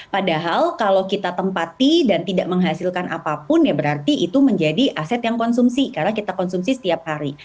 padahal kalau kita tempati dan tidak menghasilkan apapun ya berarti itu menjadi aset yang konsumsi karena kita konsumsi setiap hari